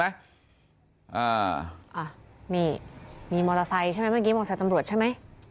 อ่านี่มีมอเตอร์ไซค์ใช่ไหมเมื่อกี้มอเซอร์ตำรวจใช่ไหม